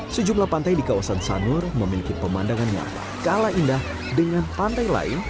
sejumlah pantai di kawasan sanur memiliki pemandangannya kalah indah dengan pantai lain